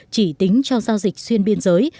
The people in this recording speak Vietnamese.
chỉ tính cho giao dịch xuyên biên giới